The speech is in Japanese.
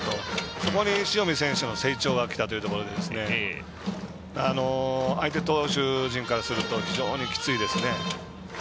そこに塩見選手の成長がきたというところで相手投手陣からすると非常にきついですね。